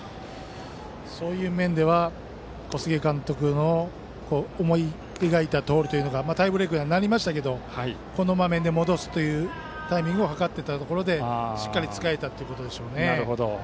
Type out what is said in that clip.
そういう面では小菅監督の思い描いたとおりというかタイブレークにはなりましたがこの場面で戻すというタイミングを図っていたところでしっかり使えたということでしょうね。